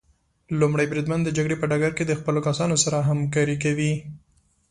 لومړی بریدمن د جګړې په ډګر کې د خپلو کسانو سره همکاري کوي.